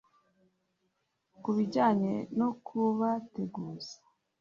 Ku bijyanye no kubateguza